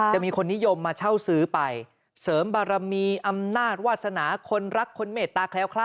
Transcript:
มีคนนิยมมาเช่าซื้อไปเสริมบารมีอำนาจวาสนาคนรักคนเมตตาแคล้วคลา